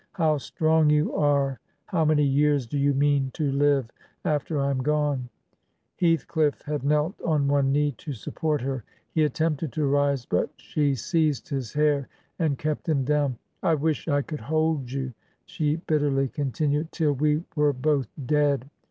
How strong you are! How many years do you mean to live after I am gone?' HeathclifiF had knelt on one knee to support her; he at tempted to rise, but she seized his hair and kept him down. 'I wish I could hold you,' she bitterly con tinued, ' till we were both dead.